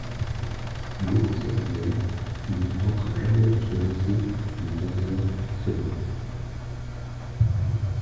Durant sa carrière, il ne tentera jamais de se lancer une carrière solo.